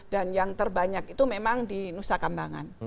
dan yang terbanyak itu memang di nusa kambangan